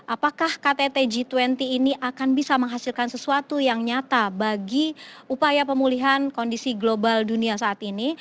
apakah ktt g dua puluh ini akan bisa menghasilkan sesuatu yang nyata bagi upaya pemulihan kondisi global dunia saat ini